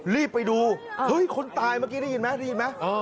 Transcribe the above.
รีบไปดูเฮ้ยคนตายเมื่อกี้ได้ยินไหมได้ยินไหม